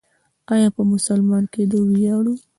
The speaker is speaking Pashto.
آیا په مسلمان کیدو ویاړو؟